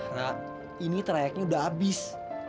ra ini trayeknya udah abis